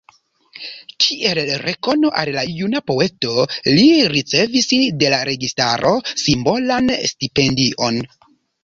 Kiel rekono al la juna poeto, li ricevis de la registaro simbolan stipendion.